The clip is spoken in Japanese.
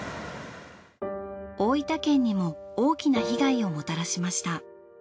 大分県にも大きな被害をもたらしました。